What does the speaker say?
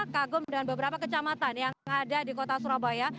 kagum dengan beberapa kecamatan yang ada di kota surabaya